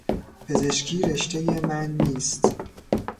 پزشکی رشتهی من نیست.